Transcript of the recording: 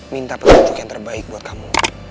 minta petunjuk yang terbaik buat kamu